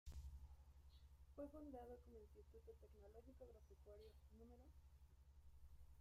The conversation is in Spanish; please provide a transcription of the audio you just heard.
Fue fundado como Instituto Tecnológico Agropecuario No.